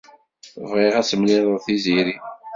Bɣiɣ ad temlileḍ Tiziri.